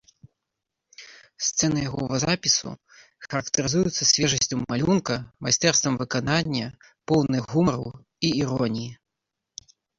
Сцэны яго вазапісу характарызуюцца свежасцю малюнка, майстэрствам выканання, поўныя гумару і іроніі.